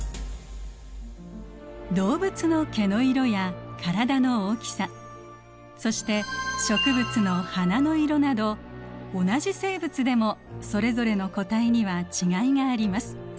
動物の毛の色や体の大きさそして植物の花の色など同じ生物でもそれぞれの個体には違いがあります。